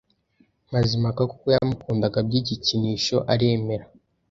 Mazimpaka kuko yamukundaga by’igikinisho aremera.